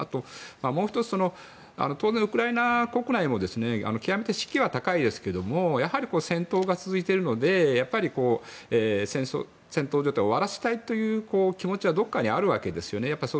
もう１つ、ウクライナ国内も極めて士気は高いですけれどもやはり戦闘が続いているので戦闘状態を終わらせたいという気持ちはどこかにあるわけですよね。